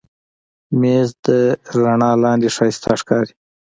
مېز د رڼا لاندې ښایسته ښکاري.